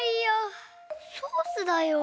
ソースだよ。